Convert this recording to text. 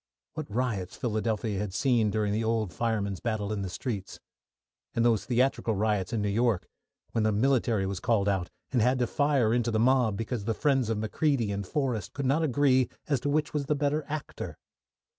What riots Philadelphia had seen during the old firemen's battle in the streets! And those theatrical riots in New York, when the military was called out, and had to fire into the mob, because the friends of Macready and Forrest could not agree as to which was the better actor!